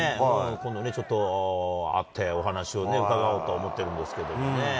今度ちょっと、会って、お話を伺おうと思ってるんですけどもね。